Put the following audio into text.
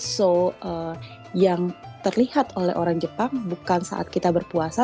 so yang terlihat oleh orang jepang bukan saat kita berpuasa